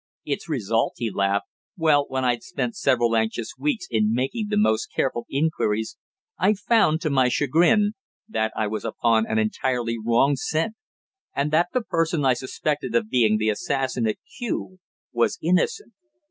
"Its result " he laughed. "Well, when I'd spent several anxious weeks in making the most careful inquiries, I found, to my chagrin, that I was upon an entirely wrong scent, and that the person I suspected of being the assassin at Kew was innocent.